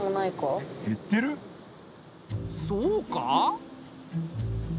そうか？